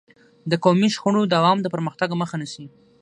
د قومي شخړو دوام د پرمختګ مخه نیسي.